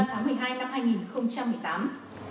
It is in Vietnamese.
tháng một mươi hai năm hai nghìn một mươi tám